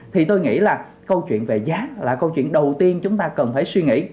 thì tôi nghĩ là câu chuyện về giá là câu chuyện đầu tiên chúng ta cần phải suy nghĩ